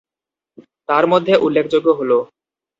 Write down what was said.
তার মধ্যে উল্লেখযোগ্য হলো।